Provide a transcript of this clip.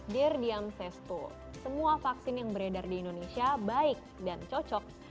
dear diamsesto semua vaksin yang beredar di indonesia baik dan cocok